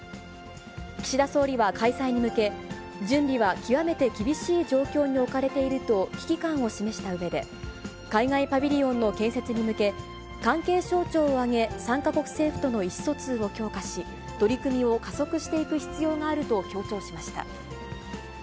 岸田総理は開催に向け、準備は極めて厳しい状況に置かれていると危機感を示したうえで、海外パビリオンの建設に向け、関係省庁を挙げ、参加国政府との意思疎通を強化し、取り組みを加速していく必要があると強調しました。